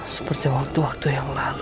seperti waktu waktu yang lalu